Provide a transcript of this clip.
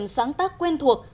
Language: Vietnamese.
rất là tuyệt vời